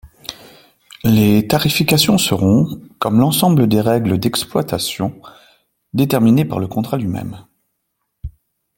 Les tarifications seront, comme l’ensemble des règles d’exploitation, déterminées par le contrat lui-même.